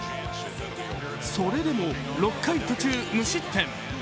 それでも６回途中無失点。